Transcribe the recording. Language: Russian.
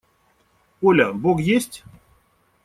– Оля, бог есть?